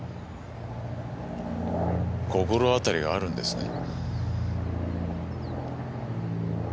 心当たりがあるんですね？